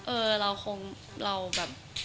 เออเราคงเราแบบ